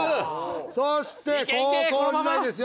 そして高校時代ですよ。